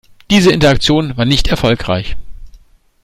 Diese Interaktion war nicht erfolgreich.